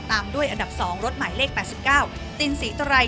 ตามด้วยอันดับ๒รถหมายเลข๘๙ตินศรีตราย